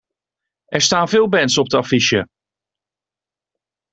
Er staan veel bands op de affiche.